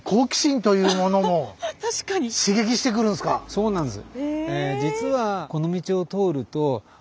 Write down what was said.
そうなんです。